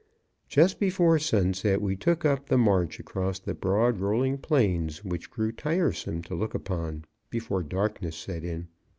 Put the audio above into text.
Just before sunset we took up the march across the broad, rolling plains, which grew tiresome to look upon before darkness set in.